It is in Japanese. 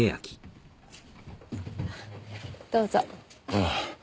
ああ。